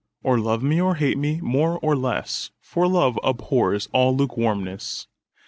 Or love or hate me more or less, 5 For love abhors all lukewarmness.